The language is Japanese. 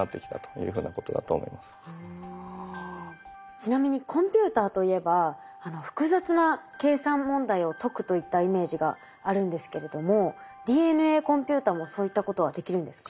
ちなみにコンピューターといえば複雑な計算問題を解くといったイメージがあるんですけれどもＤＮＡコンピューターもそういったことはできるんですか？